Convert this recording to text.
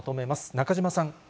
中島さん。